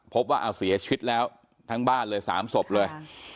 ว่าเอาเสียชีวิตแล้วทั้งบ้านเลย๓ศพเลย